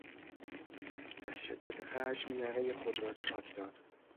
از شدت خشم یقهی خود را چاک داد.